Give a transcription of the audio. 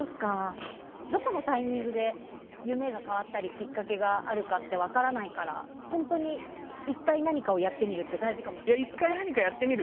どこのタイミングで夢が変わったりきっかけがあるかって分からないから本当に１回何かをやってみるって大事かもしれない。